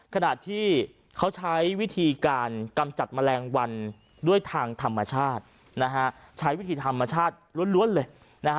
ขณะที่เขาใช้วิธีการกำจัดแมลงวันด้วยทางธรรมชาตินะฮะใช้วิธีธรรมชาติล้วนเลยนะฮะ